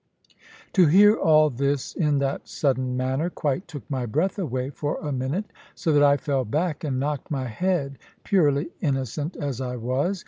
To hear all this in that sudden manner quite took my breath away for a minute, so that I fell back and knocked my head, purely innocent as I was.